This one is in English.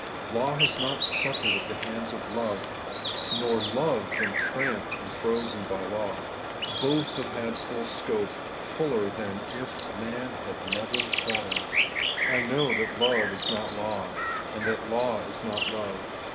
Law has not suffered at the hands of love, nor love been cramped and frozen by law. Both have had full scope, fuller scope than if man had never fallen. I know that love is not law, and that law is not love.